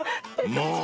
［もう！